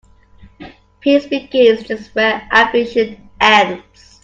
Peace begins just where ambition ends.